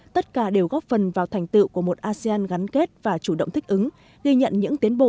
tất cả đều góp phần vào thành tựu của một asean gắn kết và chủ động thích ứng ghi nhận những tiến bộ